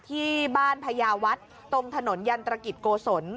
ที่บ้านพญาวัฒน์ตรงถนนยันตรกิจโกศล